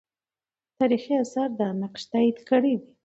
تاریخي آثار دا نقش تایید کړی دی.